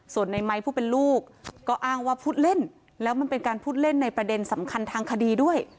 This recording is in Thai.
ส่วนในไม้ผู้เป็นลูกก็อ้างว่าพูดเล่นแล้วมันเป็นการพูดเล่นในประเด็นสำคัญทางคดีด้วย